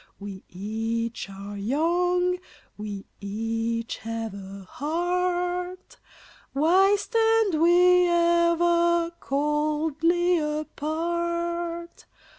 We each are young, we each have a heart, Why stand we ever coldly apart?